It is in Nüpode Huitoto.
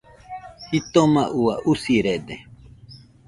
Jitoma ua, usirede.